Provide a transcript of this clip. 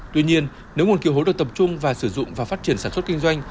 tuy nhiên nếu nguồn kiều hối được tập trung và sử dụng vào phát triển sản xuất kinh doanh